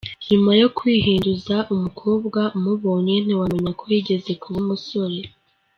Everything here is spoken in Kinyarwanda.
Nyuma yo kwihinduza umukobwa, umubonye ntiwamenya ko yigeze kuba umusore.